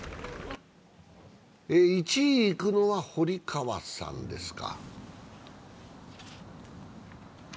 １位にいくのは堀川さんですか。